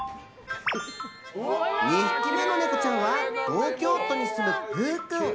２匹目のネコちゃんは東京都にすむプー君。